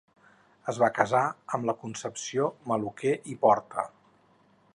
Es va casar amb la Concepció Maluquer i Porta.